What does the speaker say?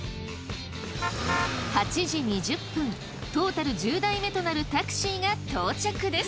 ８時２０分トータル１０台目となるタクシーが到着です。